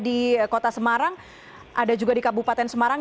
di kota semarang ada juga di kabupaten semarang